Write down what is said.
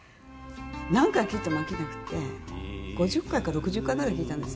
何回聴いても飽きなくて５０回か６０回ぐらい聴いたんですね。